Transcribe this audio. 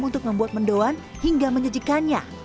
peserta membuat mendoan hingga menyejikannya